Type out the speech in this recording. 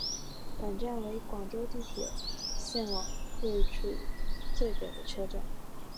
本站为广州地铁线网位处最北的车站。